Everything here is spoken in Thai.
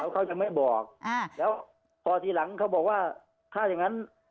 เขาจะไม่บอกแล้วพอทีหลังเขาบอกว่าถ้าอย่างงั้น